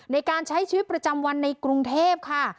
ในการใช้ชีวิตประจำวันในกรุงเทพค่ะ